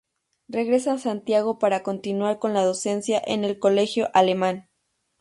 Regresa a Santiago para continuar con la docencia en el Colegio Alemán.